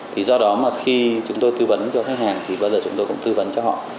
thì do đó mà khi chúng tôi tư vấn cho khách hàng thì bao giờ chúng tôi cũng tư vấn cho họ